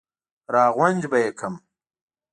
را غونج به یې کړم.